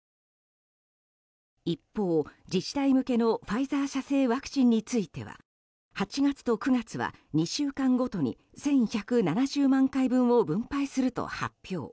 一方、自治体向けのファイザー社製ワクチンについては８月と９月は２週間ごとに１１７０万回分を分配すると発表。